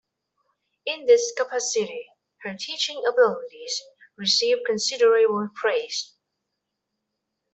In this capacity, her teaching abilities received considerable praise.